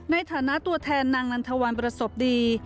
ในฐานะตัวแทนนางนันทวันประสบดี